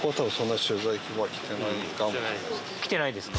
来てないですか？